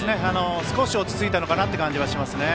少し落ち着いたのかなという感じはしますね。